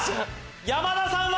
山田さんは？